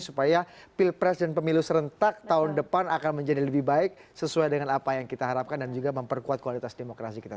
supaya pilpres dan pemilu serentak tahun depan akan menjadi lebih baik sesuai dengan apa yang kita harapkan dan juga memperkuat kualitas demokrasi kita